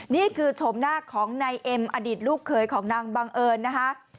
ชมหน้าของนายเอ็มอดีตลูกเคยของนางบังเอิญนะคะ